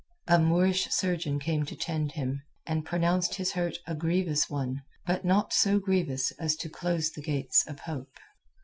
A Moorish surgeon came to tend him, and pronounced his hurt a grievous one, but not so grievous as to close the gates of hope.